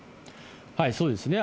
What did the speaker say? そうですね。